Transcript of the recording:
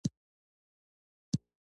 دواړو راته وویل چې فلسطینیان دي.